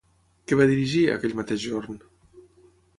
Què va dirigir, aquell mateix jorn?